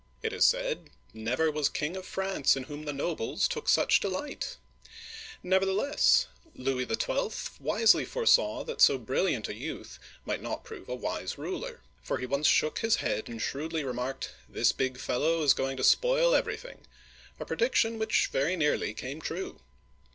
It is said, " Never was king of France in whom the nobles took such delight !*' Never theless, Louis XIL wisely foresaw that so brilliant .a youth might not prove a wise ruler; for he once shook his head and shrewdly remarked, " This big fellow is go ing to spoil everything," — a prediction which very nearly came true.